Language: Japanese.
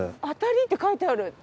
「あたり！！！」って書いてある。